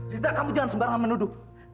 tidak kamu jangan sembarangan menuduh